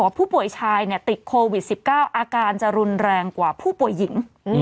ผู้ป่วยชายติดโควิด๑๙อาการจะรุนแรงกว่าผู้ป่วยหญิง